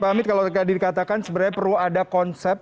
pak amit kalau tadi dikatakan sebenarnya perlu ada konsep